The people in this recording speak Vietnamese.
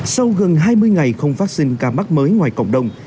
sau gần hai mươi ngày không phát sinh ca mắc mới ngoài cộng đồng